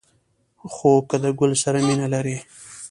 خو که د گل سره مینه لرئ